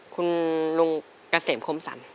คุณลุงเกษมคมสรร